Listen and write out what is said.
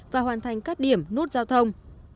và hoàn thành các điểm nút giao thông